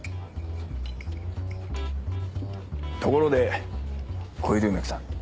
ところで小比類巻さん。